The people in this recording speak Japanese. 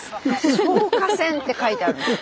消火栓って書いてあるんです。